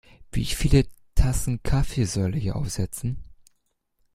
Wie viele Tassen Kaffee soll ich aufsetzen?